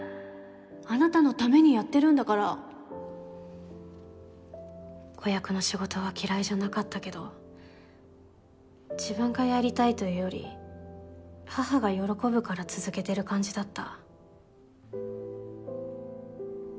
あなたのためにやってる子役の仕事は嫌いじゃなかったけど自分がやりたいというより母が喜ぶから続けている感じだった。